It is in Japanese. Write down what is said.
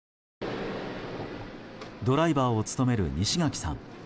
ドライバーを務める西垣さん